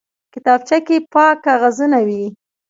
کتابچه کې پاک کاغذونه وي